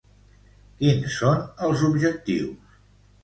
Quins són els objectius?